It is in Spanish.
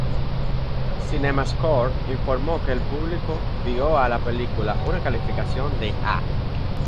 CinemaScore informó que el público dio a la película una calificación de "A".